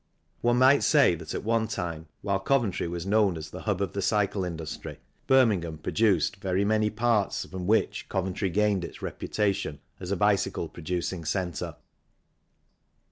One might say that at one time while Coventry was known as the hub of the cycle industry, Birmingham produced very many of the parts from which Coventry gained its reputation as a bicycle producing centre.